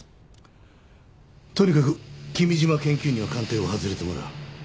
とにかく君嶋研究員には鑑定を外れてもらう。